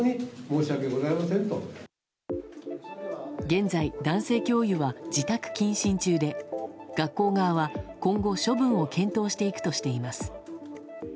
現在、男性教諭は自宅謹慎中で学校側は今後、処分を検討していくとしています。